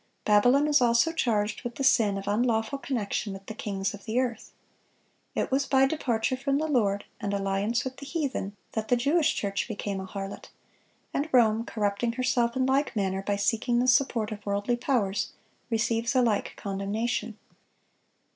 Babylon is also charged with the sin of unlawful connection with "the kings of the earth." It was by departure from the Lord, and alliance with the heathen, that the Jewish church became a harlot; and Rome, corrupting herself in like manner by seeking the support of worldly powers, receives a like condemnation.